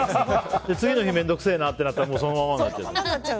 次の日、面倒くせえなとなったらそのままで。